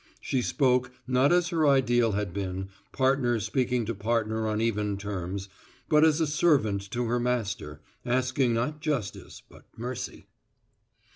She spoke, not as her ideal had been, partner speaking to partner on even terms, but as a servant to her master, asking not justice but mercy.